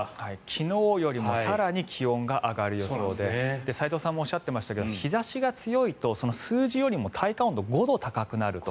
昨日よりも更に気温が上がる予想で齋藤さんもおっしゃっていましたが日差しが強いと数字よりも体感温度５度高くなると。